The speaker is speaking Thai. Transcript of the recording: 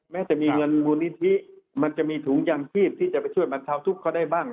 แม้จะมีเงินมูลนิธิมันจะมีถุงยางชีพที่จะไปช่วยบรรเทาทุกข์เขาได้บ้าง